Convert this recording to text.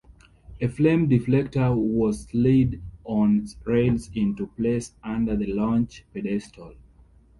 A flame deflector was slid on rails into place under the launch pedestal.